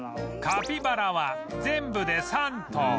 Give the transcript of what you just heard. カピバラは全部で３頭